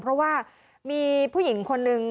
เพราะว่ามีผู้หญิงคนนึง